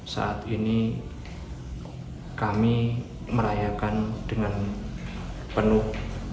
saat ini kami merayakan dengan penuh